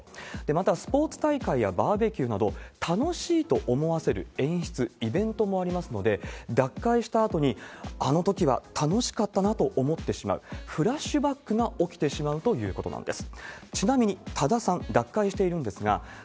また、スポーツ大会やバーベキューなど、楽しいと思わせる演出、イベントもありますので、脱会したあとに、あのときは楽しかったなと思ってしまう、フラッシュバックが起きてしまうということなんです。